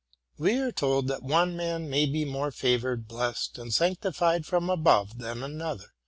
We are told that one man may be more favored, blessed, and sanctified from above than another.